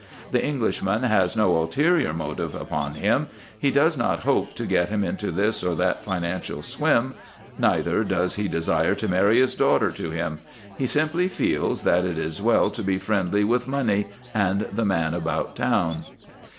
The Englishman has no ulterior designs upon him; he does not hope to get him into this or that financial swim, neither does he desire to marry his daughter to him; he simply feels that it is well to be friendly with money and the man about town.